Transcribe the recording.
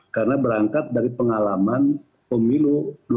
karena berangkat dari pengalaman pemilu dua ribu sembilan belas